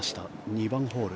２番ホール。